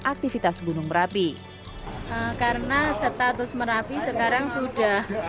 aktivitas gunung merapi karena status merapi sekarang sudah